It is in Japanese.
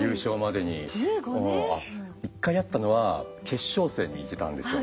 １回あったのは決勝戦に行けたんですよね。